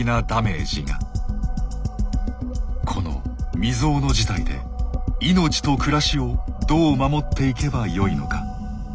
この未曽有の事態で命と暮らしをどう守っていけばよいのか。